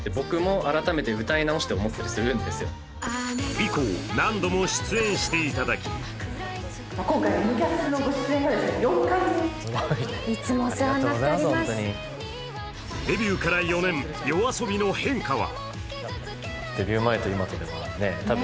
以降、何度も出演していただきデビューから４年、ＹＯＡＳＯＢＩの変化は？